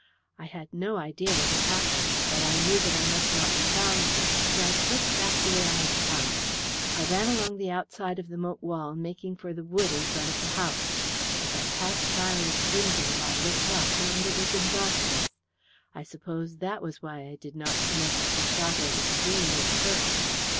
"I had no idea what had happened, but I knew that I must not be found there, so I slipped back the way I had come. I ran along the outside of the moat wall, making for the wood in front of the house. As I passed Violet's window I looked up, and it was in darkness. I suppose that was why I did not connect the shot or the scream with her.